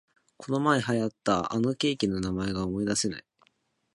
このまえ流行ったあのケーキの名前が思いだせない